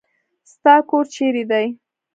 ستا کور چیرې دی؟